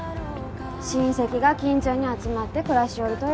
親戚が近所に集まって暮らしよるとよ